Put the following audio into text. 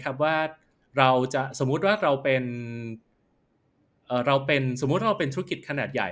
คุณน่าสมมุติว่าว่าเราเป็นธุรกิจขนาดใหญ่